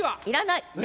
要らない。